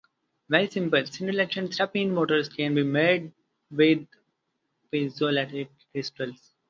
Very simple single-action stepping motors can be made with piezoelectric crystals.